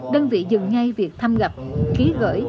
đơn vị dừng ngay việc thăm gặp ký gửi